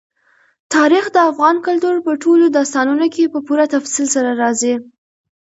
تاریخ د افغان کلتور په ټولو داستانونو کې په پوره تفصیل سره راځي.